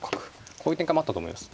こういう展開もあったと思います。